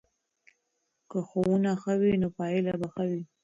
که ښوونه ښه وي نو پایله به ښه وي.